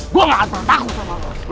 gue gak takut sama lo